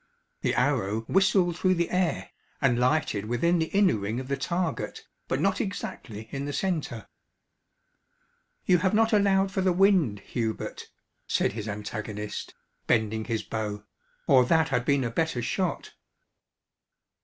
The arrow whistled through the air, and lighted within the inner ring of the target, but not exactly in the centre. "You have not allowed for the wind, Hubert," said his antagonist, bending his bow, "or that had been a better shot."